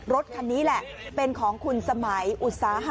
รถคันนี้แหละเป็นของคุณสมัยอุตสาหะ